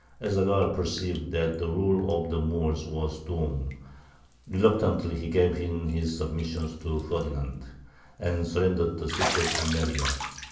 Ez Zaghal perceived that the rule of the Moors was doomed: reluctantly he gave in his submission to Ferdinand, and surrendered the city of Almeria.